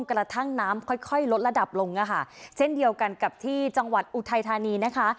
กระทั่งน้ำค่อยค่อยลดระดับลงนะคะเช่นเดียวกันกับที่จังหวัดอุทัยธานีนะคะ